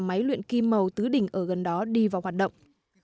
máy luyện kim màu tứ đỉnh ở gần đó đi vào hoạt động